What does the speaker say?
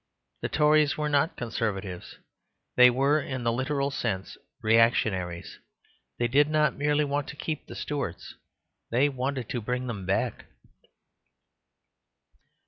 The Tories were not Conservatives; they were, in the literal sense, reactionaries. They did not merely want to keep the Stuarts; they wanted to bring them back.